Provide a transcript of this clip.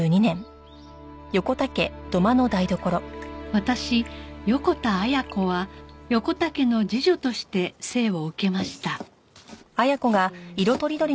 私横田綾子は横田家の次女として生を受けました